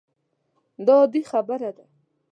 دا عادي خبره ده.